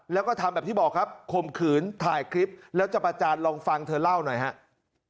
แล้วก็ทำแบบที่บอกครับข่มขืนถ่ายคลิปแล้วจะประจานลองฟังเธอเล่าหน่อยครับ